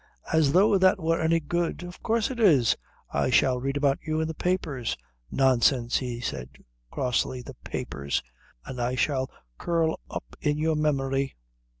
"As though that were any good." "Of course it is. I shall read about you in the papers." "Nonsense," he said crossly. "The papers!" "And I shall curl up in your memory."